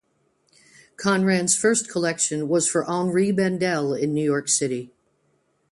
Conran's first collection was for Henri Bendel in New York City.